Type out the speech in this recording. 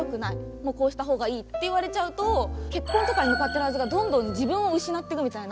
もうこうした方がいい」って言われちゃうと結婚とかに向かってるはずがどんどん自分を失ってくみたいな。